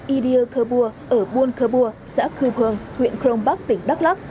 idia khabur ở buôn khabur xã khư phường huyện khrong bắc tỉnh đắk lắk